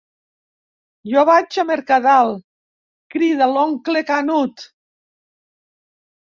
Jo vaig a Mercadal, crida l'oncle Canut.